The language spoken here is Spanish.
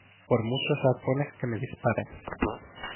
por muchos arpones que me dispares.